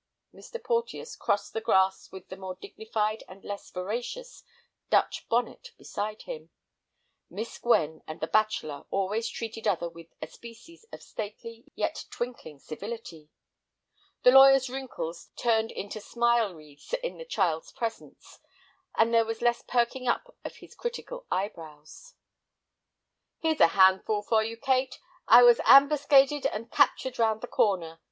Mr. Porteus crossed the grass with the more dignified and less voracious Dutch bonnet beside him. Miss Gwen and the bachelor always treated each other with a species of stately yet twinkling civility. The lawyer's wrinkles turned into smile wreaths in the child's presence, and there was less perking up of his critical eyebrows. "Here's a handful for you, Kate; I was ambuscaded and captured round the corner.